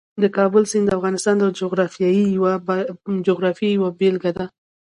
د کابل سیند د افغانستان د جغرافیې یوه بېلګه ده.